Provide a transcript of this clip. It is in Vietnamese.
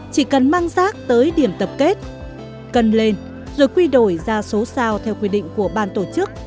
chỉ cần mang rác tới điểm tập kết cân lên rồi quy đổi ra số sao theo quy định của ban tổ chức